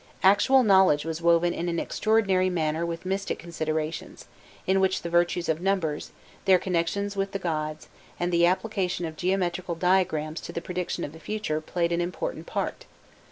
Actual knowledge was woven in an extraordinary manner with mystic considerations, in which the virtues of numbers, their connections with the gods, and the application of geometrical diagrams to the prediction of the future, played an important part.